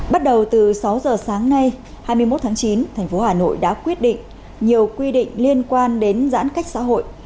bắt đầu từ sáu h sáng nay hai mươi một tháng chín tp hcm đã quyết định nhiều quy định liên quan đến giãn cách xã hội